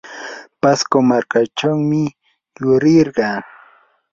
pasco markachawmi yurirqaa.